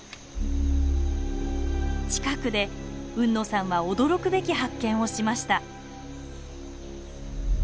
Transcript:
近くで海野さんは驚くべき発見をしました。